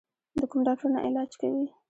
د کوم ډاکټر نه علاج کوې؟